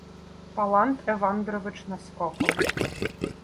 Паллант Евандрович наскоком